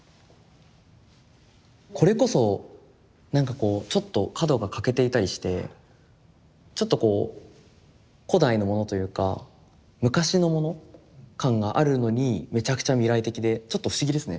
これこそなんかこうちょっと角が欠けていたりしてちょっとこう古代のものというか昔のもの感があるのにめちゃくちゃ未来的でちょっと不思議ですね。